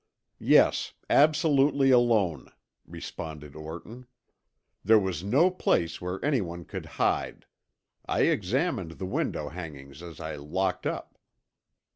"Yes, absolutely alone," responded Orton. "There was no place where anyone could hide. I examined the window hangings as I locked up."